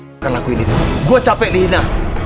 jangan lakukan itu gue capek dihina